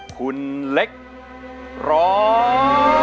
คุณเล็กร้อง